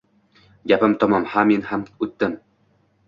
Gapim tamom… Ha, men ham o’tdim!